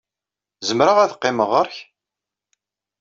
Zemreɣ ad qqimeɣ ɣer-k?